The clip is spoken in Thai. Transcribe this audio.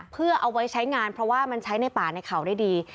เพื่อเอาไว้ใช้งานเพราะว่ามันใช้ในป่าในเขาได้ดี